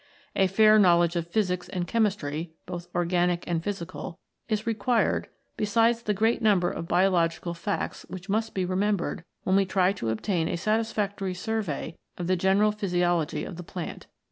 A fair knowledge of physics and chem istry, both organic and physical, is required besides the great number of biological facts which must be remembered when we try to obtain a satisfactory survey of the general physiology of the plant.